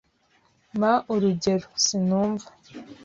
Mpa urugero. Sinumva.